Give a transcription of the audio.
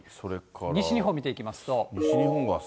西日本見ていきますと。